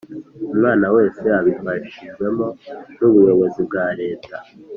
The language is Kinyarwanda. Umwana wese abifashijwemo n ubuyobozi bwa leta